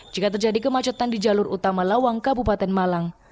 jika terjadi kemacetan di jalur utama lawang kabupaten malang